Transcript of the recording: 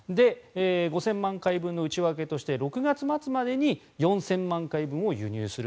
５０００万回分の内訳として６月末までに４０００万回分を輸入する。